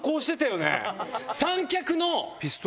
⁉三脚の。